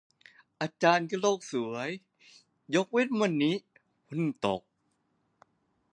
อาจารย์ก็โลกสวย ยกเว้นวันนี้หุ้นตก